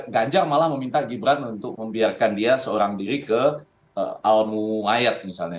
ganjar malah meminta gibran untuk membiarkan dia seorang diri ke al murayat misalnya